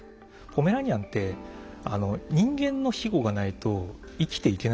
ポメラニアンって人間の庇護がないと生きていけないんですよね。